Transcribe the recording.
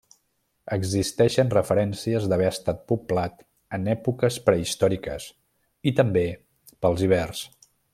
Existeixen referències d'haver estat poblat en èpoques prehistòriques i també pels ibers.